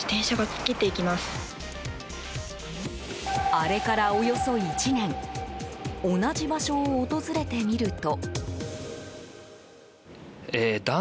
あれからおよそ１年同じ場所を訪れてみると。